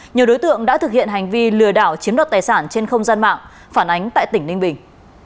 nhiều đối tượng đã thực hiện hành vi lừa đảo chiếm đoạt tài sản trên không gian mạng phản ánh tại tỉnh ninh bình